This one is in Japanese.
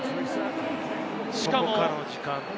この時間帯。